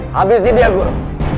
habisi dia guru